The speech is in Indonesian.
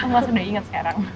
mas udah ingat sekarang